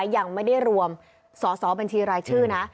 แต่ยังไม่ได้รวมสสบรชนะ